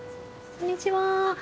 こんにちは。